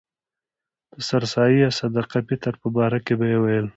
د سر سایې یا صدقه فطر په باره کې به یې ویل.